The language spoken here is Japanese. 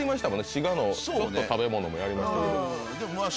滋賀のちょっと食べ物もやりましたけどまあ